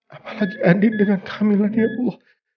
apa lagi adik dengan kehamilan ya allah